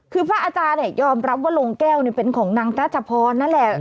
คือพระอาจารย์ยอมรับว่าโรงแก้วเป็นของนางรัชพรนั่นแหละ